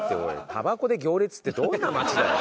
タバコで行列ってどんな町だよ！